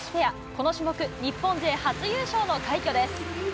この種目、日本勢初優勝の快挙です。